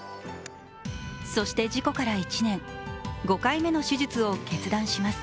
そして事故から１年、５回目の手術を決断します。